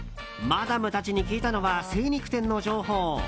マダムたちに聞いたのは精肉店の情報。